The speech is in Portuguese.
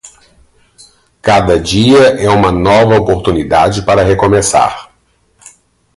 Cada dia é uma nova oportunidade para recomeçar.